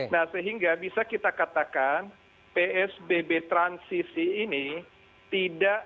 nah sehingga bisa kita katakan psbb transisi ini tidak